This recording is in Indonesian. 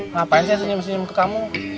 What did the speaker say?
ngapain saya senyum senyum ke kamu